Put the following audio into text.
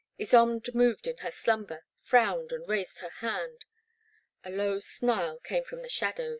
Ysonde moved in her dumber, frowned and raised her hand. A low snarl came fh>m the shadows.